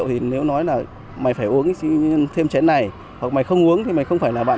chứng minh điều này lại không hề đơn giản